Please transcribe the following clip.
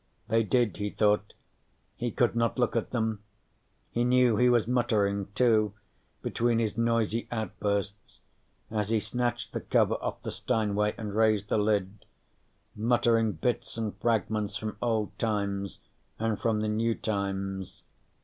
They did, he thought he could not look at them. He knew he was muttering, too, between his noisy outbursts, as he snatched the cover off the Steinway and raised the lid, muttering bits and fragments from old times, and from the new times.